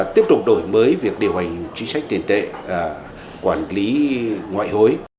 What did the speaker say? tiếp tục đổi mới việc điều hành chính sách tiền tệ quản lý ngoại hối